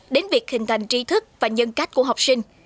đến việc hình thành trí thức và nhân cách của học sinh